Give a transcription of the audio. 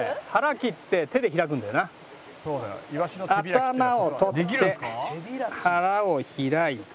頭を取って腹を開いて。